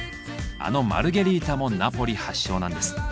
あのマルゲリータもナポリ発祥なんです。